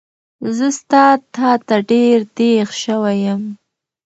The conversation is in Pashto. زه ستا تاته ډېر دیغ شوی یم